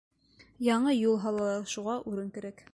Яңы юл һалалар, шуға урын кәрәк.